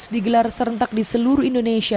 digelar serentak di seluruh indonesia